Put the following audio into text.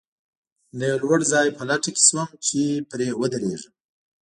د یوه لوړ ځای په لټه کې شوم، چې پرې ودرېږم.